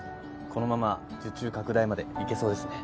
このまま受注拡大までいけそうですね。